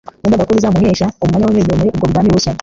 yumvaga ko bizamuhesha umwanya wo hejuru muri ubwo bwami bushya.